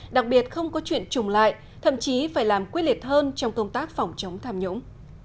đặc biệt không có chuyện trùng lại thậm chí phải làm quyết liệt hơn trong công tác phòng chống tham nhũng